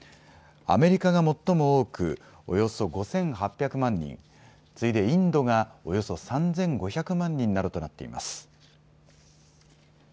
アメリカが最も多くおよそ５８００万人、次いでインドがおよそ３５００万人などとなっています。